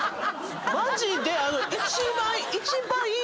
マジで一番。